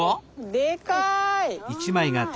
でかい！